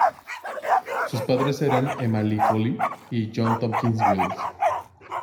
Sus padres eran Emma Lee Foley y John Tompkins Wills.